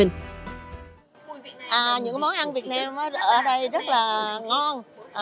những món ăn việt nam ở đây rất là ngon